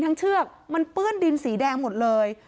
เชือกมันเปื้อนดินสีแดงหมดเลย